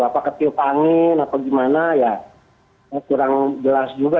apa ketiup angin atau gimana ya kurang jelas juga